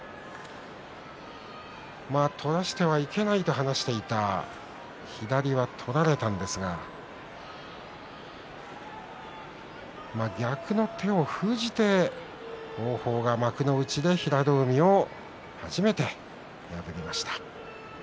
取らせてはいけないと話していた左は取られたんですが逆の手を封じて王鵬は平戸海を初めて破りました。